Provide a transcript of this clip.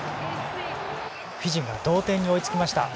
フィジーが同点に追いつきました。